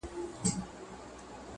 چي ښاغلي بهاند د هارون